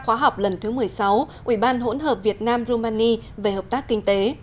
khóa học lần thứ một mươi sáu ủy ban hỗn hợp việt nam rumani về hợp tác kinh tế